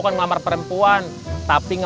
djeng kemarin aku mau nikah sama siapa